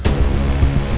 saya mau ke rumah